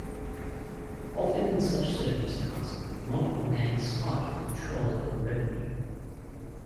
Often in such circumstance, multiple gangs fight for control over revenue.